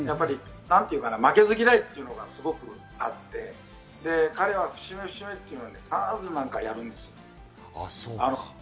負けず嫌いということがすごくあって、彼は節目節目、必ず何かをやるんですよ。